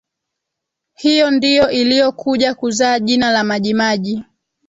Hiyo ndiyo iliyokuja kuzaa jina la majimaji